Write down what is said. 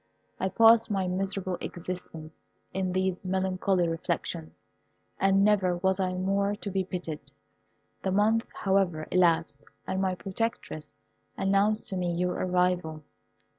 I passed my miserable existence in these melancholy reflections, and never was I more to be pitied. The month, however, elapsed, and my protectress announced to me your arrival.